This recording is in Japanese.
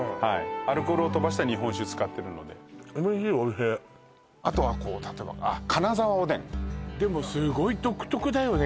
アルコールを飛ばした日本酒使ってるのであとはこう例えば金澤おでんでもすごい独特だよね